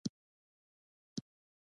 سنتي مشرانو واک بېرته تقویه شو.